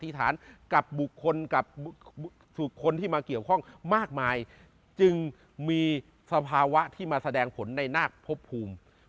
ฐานกับบุคคลกับบุคคลที่มาเกี่ยวข้องมากมายจึงมีสภาวะที่มาแสดงผลในนาคพบภูมิ